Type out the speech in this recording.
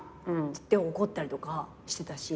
って怒ったりとかしてたし。